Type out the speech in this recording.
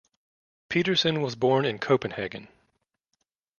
Petersen was born in Copenhagen.